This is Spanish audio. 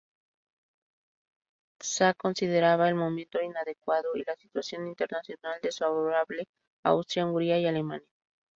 Tisza consideraba el momento inadecuado y la situación internacional desfavorable a Austria-Hungría y Alemania.